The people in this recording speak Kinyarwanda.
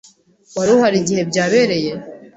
Wari uhari igihe byabereye.